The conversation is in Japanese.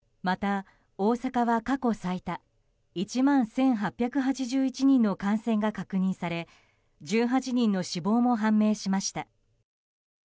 また、大阪は過去最多１万１８８１人の感染が確認され１８人の死亡も判明しました。